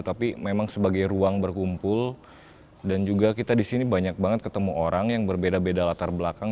tapi memang sebagai ruang berkumpul dan juga kita disini banyak banget ketemu orang yang berbeda beda latar belakang